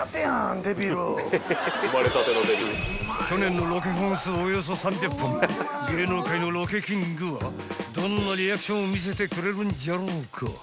［去年のロケ本数およそ３００本芸能界のロケキングはどんなリアクションを見せてくれるんじゃろうか］